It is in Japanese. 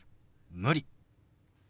「無理」。